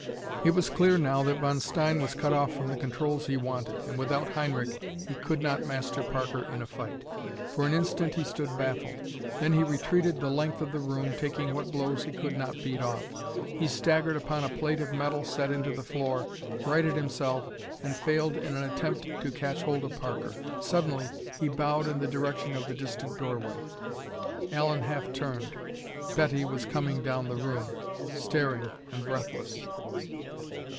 It was clear now that Von Stein was cut off from the controls he wanted, and without Heinrich he could not master Parker in a fight. For an instant he stood baffled. Then he retreated the length of the room, taking what blows he could not beat off. He staggered upon a plate of metal set into the floor, righted himself, and failed in an attempt to catch hold of Parker. Suddenly he bowed in the direction of the distant doorway. Allen half turned. Betty was coming down the room, staring and breathless.